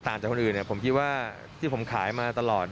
จากคนอื่นผมคิดว่าที่ผมขายมาตลอด